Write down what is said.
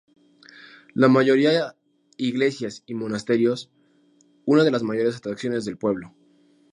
La mayoría iglesias y monasterios, una de las mayores atracciones del pueblo.